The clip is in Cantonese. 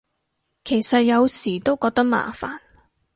其實有時都覺得麻煩